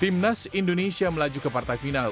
tim nas indonesia melaju ke partai final